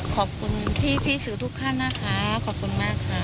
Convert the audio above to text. ขอบคุณพี่สื่อทุกท่านนะคะขอบคุณมากค่ะ